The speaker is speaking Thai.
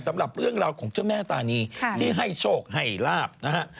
สำหรับเรื่องราวของเจ้าแม่ตานีที่ให้โชคให้ลาบนะฮะ